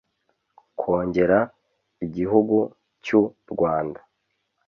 Kongera igihugu cyu Rwanda